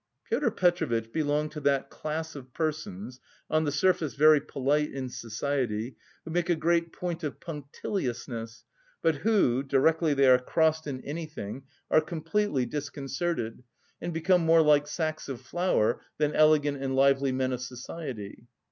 Pyotr Petrovitch belonged to that class of persons, on the surface very polite in society, who make a great point of punctiliousness, but who, directly they are crossed in anything, are completely disconcerted, and become more like sacks of flour than elegant and lively men of society.